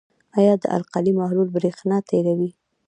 آیا د القلي محلول برېښنا تیروي؟